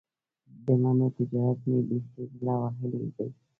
د مڼو تجارت مې بیخي زړه وهلی دی.